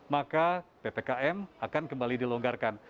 maka ppkm akan kembali dilonggarkan